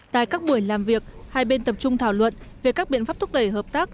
tại các buổi làm việc hai bên tập trung thảo luận về các biện pháp thúc đẩy hợp tác